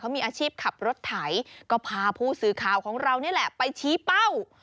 มีอาชีพขับรถไถก็พาผู้สื่อข่าวของเรานี่แหละไปชี้เป้า